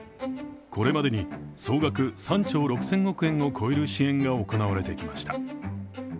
これまでに総額３兆６０００億円を超える支援が行われてきました。